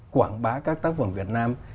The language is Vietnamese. quảng bá các tác phẩm việt nam